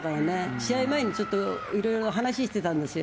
試合前にいろいろ話してたんですよ。